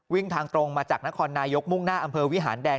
ทางตรงมาจากนครนายกมุ่งหน้าอำเภอวิหารแดง